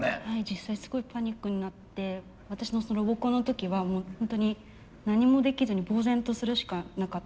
実際すごいパニックになって私ロボコンの時はホントに何もできずにぼう然とするしかなかったです。